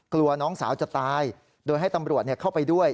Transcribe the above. กลัวน้องสาวจะตายโดยให้ตำรวจเข้าไปด้วย